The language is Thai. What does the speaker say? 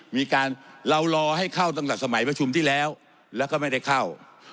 มีการเรารอให้เข้าตั้งแต่สมัยประชุมที่แล้วแล้วก็ไม่ได้เข้า